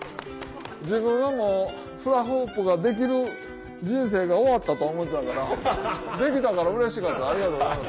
自分はもうフラフープができる人生が終わったと思ってたからできたからうれしかったありがとうございます。